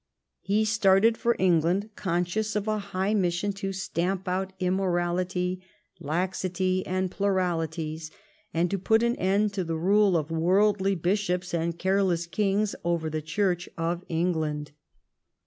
He started for England conscious of a high mission to stamp out immorality, laxity, and pluralities, and to put an end to the rule of worldly bishops and careless kings over the Church of England.